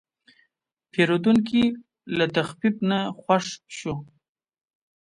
پیرودونکی له تخفیف نه خوښ شو.